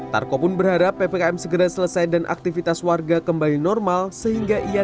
tarko pun berharap ppkm segera selesai dan aktivitas warga kembali normal sehingga ia